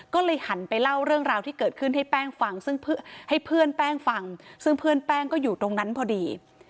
ก็เลยหันไปเล่าเรื่องราวที่เกิดขึ้นให้แป้งฟังซึ่งให้เพื่อนแป้งฟังซึ่งเพื่อนแป้งก็อยู่ตรงนั้นพอดี